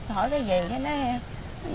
thôi nó về với nó em